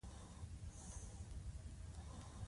متوازن خواړه روغتیا ساتي.